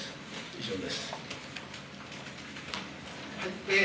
以上です。